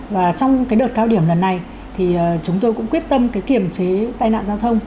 và trong cái đợt cao điểm lần này thì chúng tôi cũng quyết tâm cái kiểm chế tai nạn giao thông